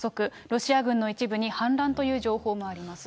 ロシア軍の一部に、反乱という情報もあります。